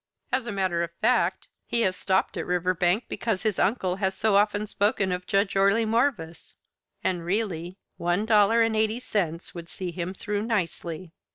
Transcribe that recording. As a matter of fact, he has stopped at Riverbank because his uncle had so often spoken of Judge Orley Morvis and really, one dollar and eighty cents would see him through nicely.